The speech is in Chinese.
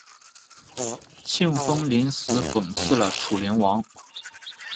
庆封临死讽刺了楚灵王。